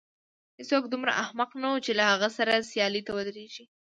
هېڅوک دومره احمق نه و چې له هغه سره سیالۍ ته ودرېږي.